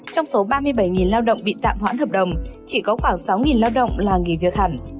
trong số ba mươi bảy lao động bị tạm hoãn hợp đồng chỉ có khoảng sáu lao động là nghỉ việc hẳn